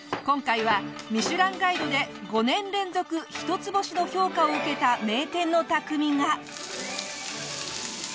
今回は『ミシュランガイド』で５年連続一つ星の評価を受けた名店の匠が。